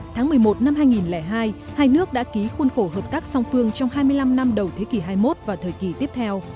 tháng một mươi một năm hai nghìn hai hai nước đã ký khuôn khổ hợp tác song phương trong hai mươi năm năm đầu thế kỷ hai mươi một và thời kỳ tiếp theo